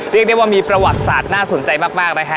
เรียกได้ว่ามีประวัติศาสตร์น่าสนใจมากนะฮะ